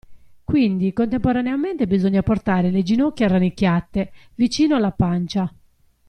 Quindi contemporaneamente bisogna portare le ginocchia rannicchiate, vicino alla pancia.